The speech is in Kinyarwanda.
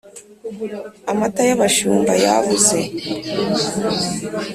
“amata y’abashumba yabuze!”